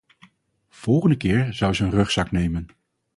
Volgende keer zou ze een rugzak nemen.